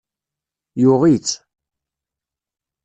Yuɣ-itt.